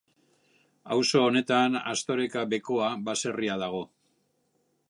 Auzo honetan Astoreka-Bekoa baserria dago.